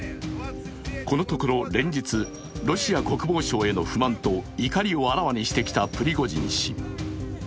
このところ連日、ロシア国防省への不満と怒りをあらわにしてきたプリゴジン氏。